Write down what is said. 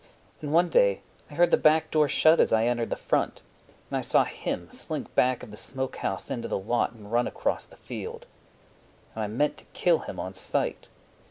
And one day I heard the back door shut As I entered the front, and I saw him slink Back of the smokehouse into the lot And run across the field. And I meant to kill him on sight.